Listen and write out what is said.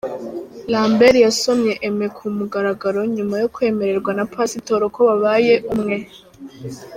Lambert yasomye Aimée ku mugaragaro nyuma yo kwemererwa na Pasitoro ko babaye umwe.